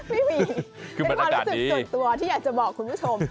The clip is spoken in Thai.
ไม่มีเป็นความรู้สึกส่วนตัวที่อยากจะบอกคุณผู้ชม